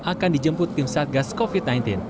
akan dijemput tim satgas covid sembilan belas